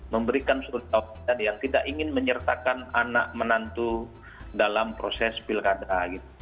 memberikan surat tautan yang tidak ingin menyertakan anak menantu dalam proses pilkada